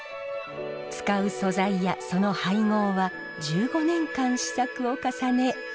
使う素材やその配合は１５年間試作を重ね完成しました。